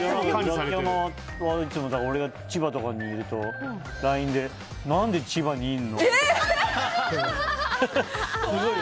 ザキヤマは俺が千葉とかにいるとＬＩＮＥで何で千葉にいんの？